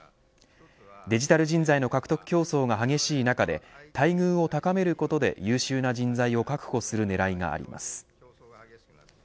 デジタル人材の獲得競争が激しい中で待遇を高めることで優秀な人材を確保する狙いがあります。